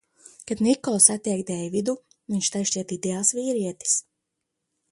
Kad Nikola satiek Deividu, viņš tai šķiet ideāls vīrietis.